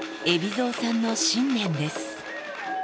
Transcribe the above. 海老蔵さんの信念です。